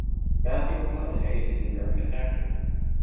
Matthew McConaughey is an American actor.